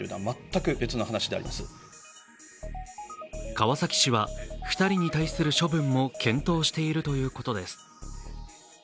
川崎市は２人に対する処分も検討しているということです。